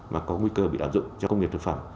mà có nguy cơ bị áp dụng cho công nghiệp thực phẩm